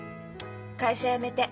会社辞めて。